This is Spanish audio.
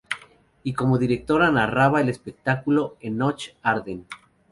Y como directora y narradora del espectáculo "Enoch Arden".